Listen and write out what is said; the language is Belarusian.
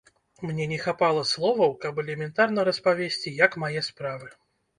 Мне не хапала словаў, каб элементарна распавесці, як мае справы.